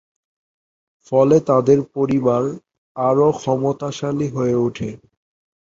ফলে তাদের পরিবার আরো ক্ষমতাশালী হয়ে উঠে।